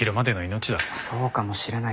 そうかもしれないけど。